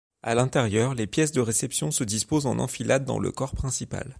À l'intérieur, les pièces de réception se disposent en enfilade dans le corps principal.